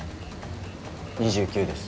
２９です。